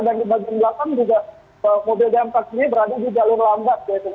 dan di bagian belakang juga mobil jalan kaki ini berada di jalur lambat